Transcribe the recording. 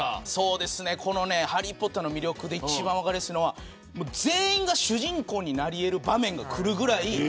ハリー・ポッターの魅力で一番分かりやすいのは全員が主人公になりえる場面がくる。